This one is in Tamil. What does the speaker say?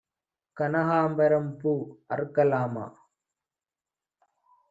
கனகாம்பரம் பூ அறுக்கலாமா?